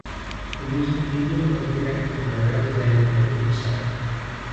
The music video was directed by Residente himself.